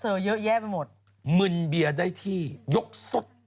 จากกระแสของละครกรุเปสันนิวาสนะฮะ